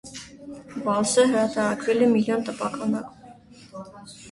Վալսը հրատարակվել է միլիոն տպաքանակով։